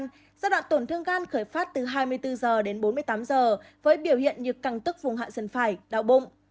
giai đoạn tổn thương gan khởi phát từ hai mươi bốn h đến bốn mươi tám h với biểu hiện như càng tức vùng hạ dần phải đau bụng